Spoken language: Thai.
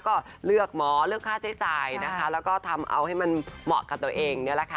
ก็เลือกหมอเลือกค่าใช้จ่ายนะคะแล้วก็ทำเอาให้มันเหมาะกับตัวเองนี่แหละค่ะ